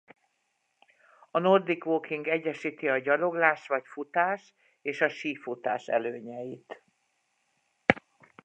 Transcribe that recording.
A Nordic walking egyesíti a gyaloglás vagy futás és a sífutás előnyeit.